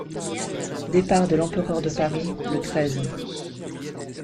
Départ de l'empereur de Paris, le treize.